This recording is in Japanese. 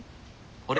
あれ？